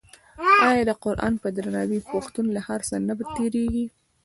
آیا د قران په درناوي پښتون له هر څه نه تیریږي؟